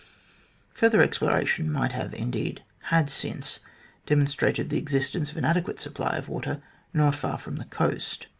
Further exploration might have, and indeed had since, demonstrated the existence of an adequate supply of water not far from the coast.